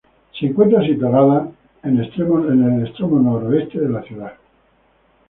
Se encuentra situado en extremo noroeste de la ciudad.